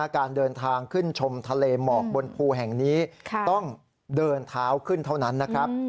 การเดินทางขึ้นชมทะเลหมอกบนภูแห่งนี้ต้องเดินเท้าขึ้นเท่านั้นนะครับ